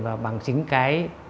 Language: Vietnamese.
và bằng chính cái